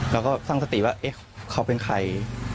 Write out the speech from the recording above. แล้วก็ตั้งสติว่าเอ๊ะเขาเป็นใคร